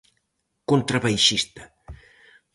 Contrabaixista.